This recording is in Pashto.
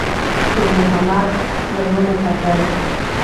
شېرمحمد ور ونه کتل.